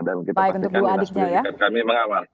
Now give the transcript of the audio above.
dan kita pastikan kita sudah diberikan kami mengawal